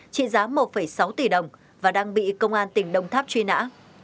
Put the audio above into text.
trị giá một sáu tỷ đồng và đang bị công an tỉnh đồng tháp truy nã